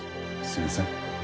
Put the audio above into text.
すみません。